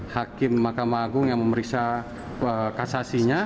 hakim mahkamah agung yang memeriksa kasasinya